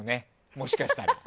もしかしたら。